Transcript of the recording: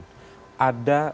sebagai presiden ada